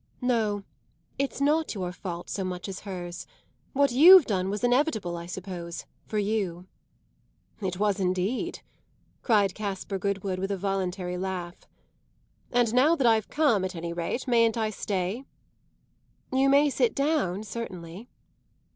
"No, it's not your fault so much as hers. What you've done was inevitable, I suppose, for you." "It was indeed!" cried Caspar Goodwood with a voluntary laugh. "And now that I've come, at any rate, mayn't I stay?" "You may sit down, certainly."